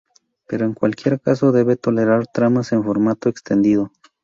Pero en cualquier caso debe tolerar tramas en formato extendido.